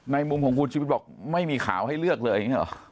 มุมของคุณชีวิตบอกไม่มีข่าวให้เลือกเลยอย่างนี้หรอ